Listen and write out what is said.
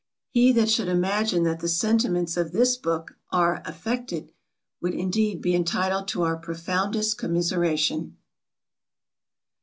He that should imagine that the sentiments of this book are affected, would indeed be entitled to our profoundest commiseration.